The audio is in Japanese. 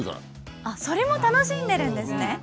それも楽しんでるんですね！